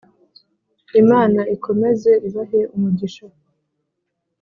Imana ikomeze ibahe umugisha.